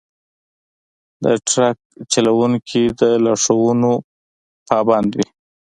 د ټرک چلونکي د لارښوونو پابند وي.